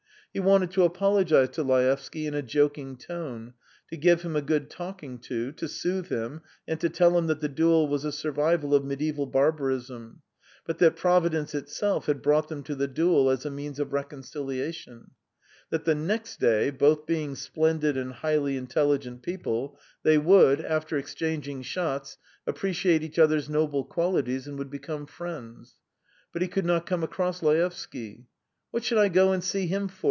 He wanted to apologise to Laevsky in a joking tone, to give him a good talking to, to soothe him and to tell him that the duel was a survival of mediæval barbarism, but that Providence itself had brought them to the duel as a means of reconciliation; that the next day, both being splendid and highly intelligent people, they would, after exchanging shots, appreciate each other's noble qualities and would become friends. But he could not come across Laevsky. "What should I go and see him for?"